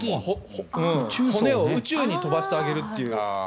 骨を宇宙に飛ばしてあげるという。